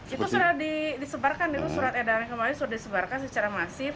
itu sudah disebarkan itu surat edaran kemarin sudah disebarkan secara masif